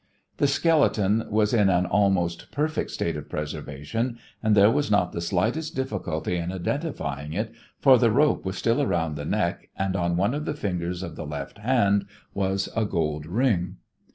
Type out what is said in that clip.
The skeleton was in an almost perfect state of preservation and there was not the slightest difficulty in identifying it, for the rope was still around the neck and on one of the fingers of the left hand was a gold ring.